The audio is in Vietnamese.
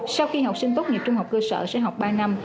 sau khi học sinh tốt nghiệp trung học cơ sở sẽ học ba năm